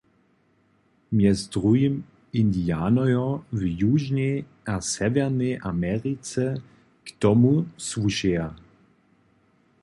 Mjez druhim Indianojo w Južnej a Sewjernej Americe k tomu słušeja.